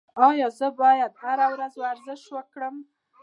ایا زه باید هره ورځ ورزش وکړم؟